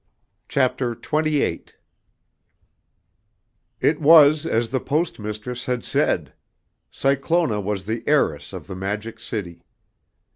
CHAPTER XXVIII. It was as the Post Mistress had said. Cyclona was the heiress of the Magic City.